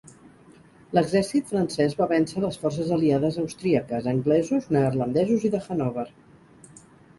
L'exèrcit francès va vèncer les forces aliades austríaques, anglesos, neerlandesos i de Hannover.